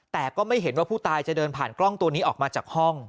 แต่ก็ไม่เห็นว่าผู้ตายจะเดินผ่านกล้องตัวนี้ออกมาจากห้อง